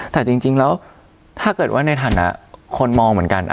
แต่จริงแล้วถ้าเกิดว่าในฐานะคนมองเหมือนกัน